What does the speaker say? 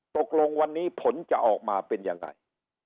ตกลงวันนี้ผลจะออกมาเป็นยังไง